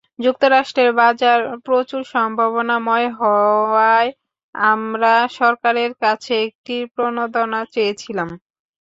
যুক্তরাষ্ট্রের বাজার প্রচুর সম্ভাবনাময় হওয়ায় আমরা সরকারের কাছে একটি প্রণোদনা চেয়েছিলাম।